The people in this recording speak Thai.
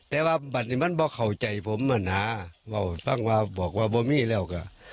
แต่ว่าบัตรนี้มันบอกเข้าใจผมอ่ะนะว่าฟังว่าบอกว่าบ่มีแล้วก็